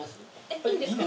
いいんですか？